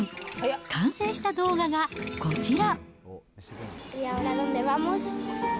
完成した動画がこちら。